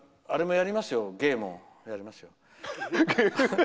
あれもやりますよ、芸も。